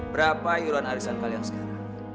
berapa iuran arisan kalian sekarang